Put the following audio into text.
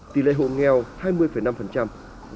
tỷ lệ hộ nghèo hai mươi năm giảm tám so với năm hai nghìn một mươi năm